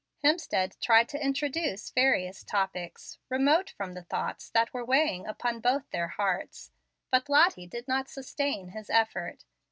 Hemstead tried to introduce various topics remote from the thoughts that were weighing upon both their hearts, but Lottie did not sustain his effort.